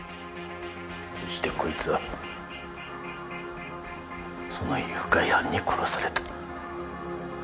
そしてこいつはその誘拐犯に殺された。